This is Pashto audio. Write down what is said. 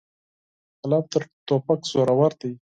قلم تر توپک زورور دی.